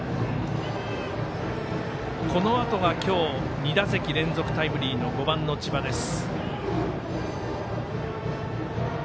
このあとは今日２打席連続タイムリーの５番の千葉です。